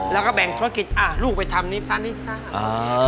แล้วก็แบ่งธุรกิจลูกไปทำนี่ซะนิดซ่า